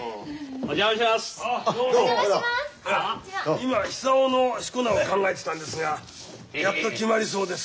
今久男の四股名を考えてたんですがやっと決まりそうです。